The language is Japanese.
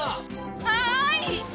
はい！